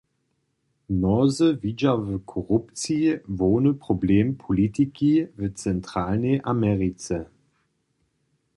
Mnozy widźa w korupciji hłowny problem politiki w Centralnej Americe.